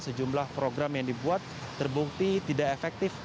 sejumlah program yang dibuat terbukti tidak efektif